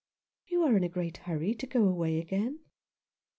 "You are in a great hurry to go away again."